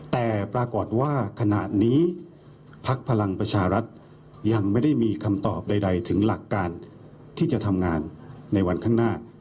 แต่ปรากฏว่าขณะนี้พักพลังประชารัฐยังไม่ได้มีคำตอบใดถึงหลักการที่จะทำงานในวันข้างหน้า